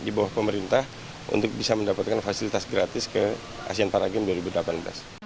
yang resmi di bawah pemerintah untuk bisa mendapatkan fasilitas gratis ke asean paragames dua ribu delapan belas